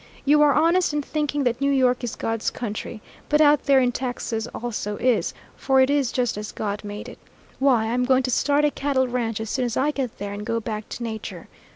You are honest in thinking that New York is God's country. But out there in Texas also is, for it is just as God made it. Why, I'm going to start a cattle ranch as soon as I get there and go back to nature.